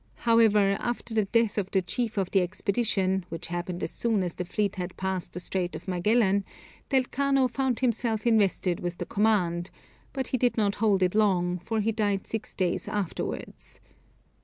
However, after the death of the chief of the expedition, which happened as soon as the fleet had passed the Strait of Magellan, Del Cano found himself invested with the command, but he did not hold it long, for he died six days afterwards.